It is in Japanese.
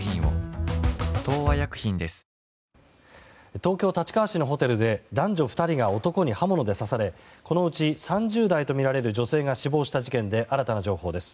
東京・立川市のホテルで男女２人が男に刃物で刺されこのうち３０代とみられる女性が死亡した事件で新たな情報です。